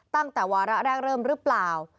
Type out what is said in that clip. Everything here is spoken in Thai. ตั้งแต่วาระแรกเริ่มหรือเปล่า